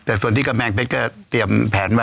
แต่ส่วนที่กำแพงเพชรก็เตรียมแผนไว้